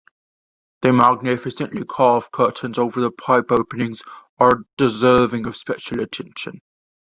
The magnificently carved curtains over the pipe openings are deserving of special attention.